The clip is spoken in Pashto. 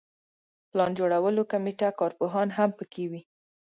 پلان جوړولو کمیټه کارپوهان هم په کې وي.